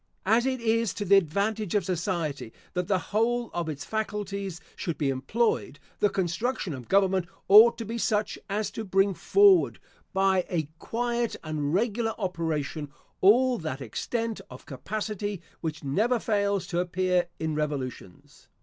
As it is to the advantage of society that the whole of its faculties should be employed, the construction of government ought to be such as to bring forward, by a quiet and regular operation, all that extent of capacity which never fails to appear in revolutions.